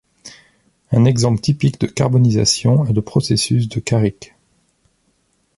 Un exemple typique de carbonisation est le processus de Karrick.